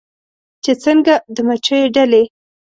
چې څنګه د مچېو ډلې